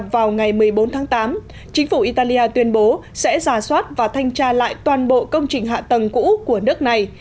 vào ngày một mươi bốn tháng tám chính phủ italia tuyên bố sẽ giả soát và thanh tra lại toàn bộ công trình hạ tầng cũ của nước này